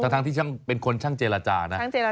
อ๋อทั้งที่เป็นคนช่างเจรจานะ